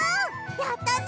やったね！